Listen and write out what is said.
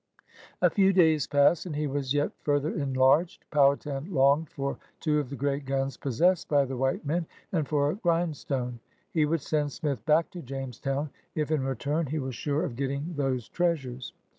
A few days passed and he was yet f luilier enlarged. Powhatan longed for two of the great guns possessed by the white men and for a grind stone. He would send Smith back to Jamestown if in return he was sure of getting those treasures.